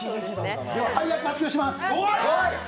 配役を発表します。